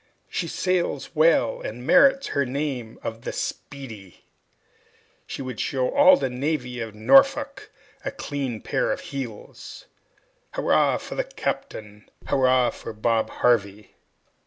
"She sails well, and merits her name of the 'Speedy.'" "She would show all the navy of Norfolk a clean pair of heels." "Hurrah for her captain!" "Hurrah for Bob Harvey!"